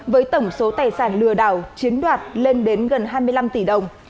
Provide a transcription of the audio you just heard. với tổng số tài sản lừa đảo chiếm đoạt lên đến gần hai mươi năm tỷ đồng